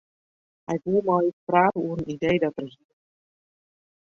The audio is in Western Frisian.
Hy woe mei ús prate oer in idee dat er hie.